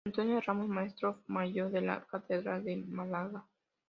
Antonio Ramos, Maestro Mayor de la Catedral de Málaga.